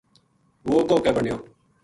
وہ کوہ کے بنڈیو